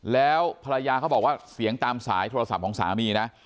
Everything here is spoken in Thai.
แล้วภรรยาเขาบอกว่าเสียงตามสายโทรศัพท์ของสามีนะ